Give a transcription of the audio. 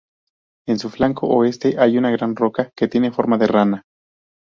En su flanco oeste hay una gran roca que tiene forma de rana.